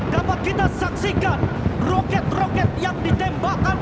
dapat kita saksikan roket roket yang ditembakkan